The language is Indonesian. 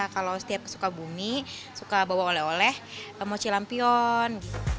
kalau setiap suka bumi suka bawa oleh oleh mochi lampion